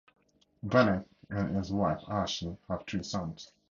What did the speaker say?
Vanek and his wife Ashley have three sons.